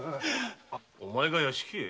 お前が屋敷へ？